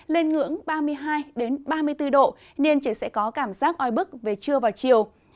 lên ngưỡng ba mươi hai ba mươi bốn độ nên trời sẽ có cảm giác oi bức về trưa và chiều